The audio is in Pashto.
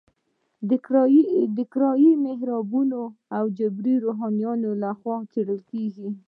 د کرایي محرابونو او اجیرو روحانیونو لخوا به خپرېږي.